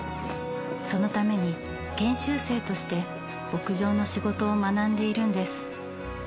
そのために研修生として牧場の仕事を学んでいるんです。